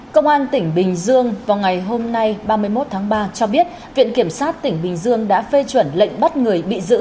công an tỉnh bình dương vào ngày hôm nay ba mươi một tháng ba cho biết viện kiểm sát tỉnh bình dương đã phê chuẩn lệnh bắt người bị giữ